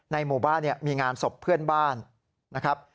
หมู่บ้านเนี่ยมีงานศพเพื่อนบ้านนะครับ